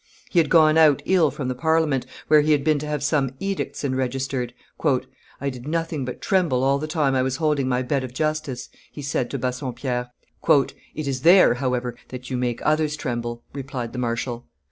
He had gone out ill from the Parliament, where he had been to have some edicts enregistered. "I did nothing but tremble all the time I was holding my bed of justice," he said to Bassompierre. "It is there, however, that you make others tremble," replied the marshal.